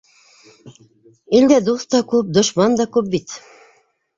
Илдә дуҫ та күп, дошман да күп бит.